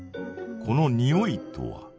このにおいとは？